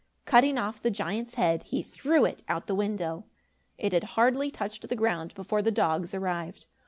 Cutting off the giant's head, he threw it out the window. It had hardly touched the ground, before the dogs arrived.